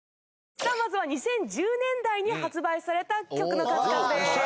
さあまずは２０１０年代に発売された曲の数々です。